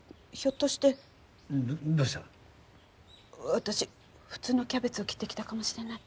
私普通のキャベツを切ってきたかもしれない。